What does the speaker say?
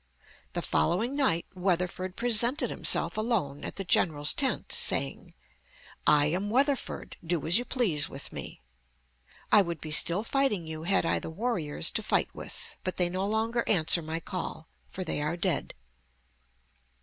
The following night Weatherford presented himself alone at the general's tent, saying: "I am Weatherford; do as you please with me. I would be still fighting you had I the warriors to fight with; but they no longer answer my call, for they are dead."